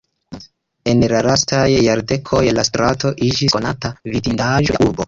En la lastaj jardekoj, la strato iĝis konata vidindaĵo de la urbo.